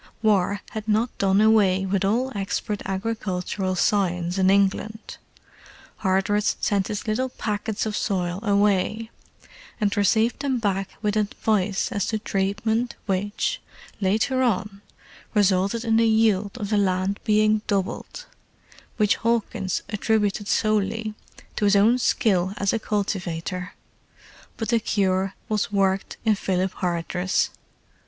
War had not done away with all expert agricultural science in England: Hardress sent his little packets of soil away, and received them back with advice as to treatment which, later on, resulted in the yield of the land being doubled—which Hawkins attributed solely to his own skill as a cultivator. But the cure was worked in Philip Hardress.